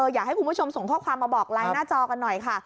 อยากให้คุณผู้ชมส่งข้อความมาบอกไลน์หน้าจอกันหน่อยค่ะ